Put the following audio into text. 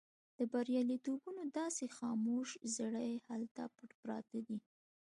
د برياليتوبونو داسې خاموش زړي هلته پټ پراته دي.